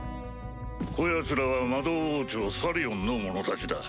コヤツらは魔導王朝サリオンの者たちだ。